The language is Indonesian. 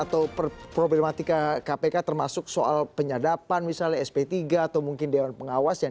atau problematika kpk termasuk soal penyadapan misalnya sp tiga atau mungkin dewan pengawas yang